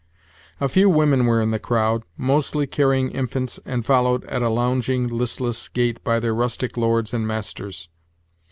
A few women were in the crowd, most carrying infants, and followed, at a lounging, listless gait, by their rustic lords and masters.